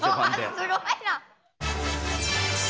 すごいな！